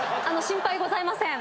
心配ございません。